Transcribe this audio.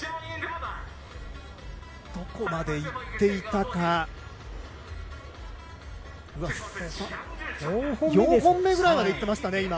どこまで行っていたか、４本目ぐらいまでいっていましたね